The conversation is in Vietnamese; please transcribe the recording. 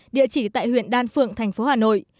địa chỉ tại huyện đan phượng thành phố hà nội